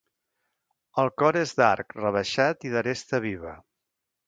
El cor és d'arc rebaixat i d'aresta viva.